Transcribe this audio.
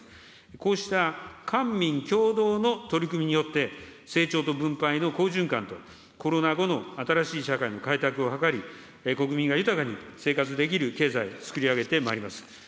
こうした官民共同の取り組みによって、成長と分配の好循環と、コロナ後の新しい社会の改革を図り、国民が豊かに生活できる経済、つくり上げてまいります。